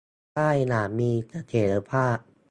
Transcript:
ได้อย่างมีเสถียรภาพ